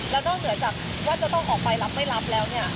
แล้วนอกเหนือจากว่าจะต้องออกไปรับไม่รับแล้วเนี่ย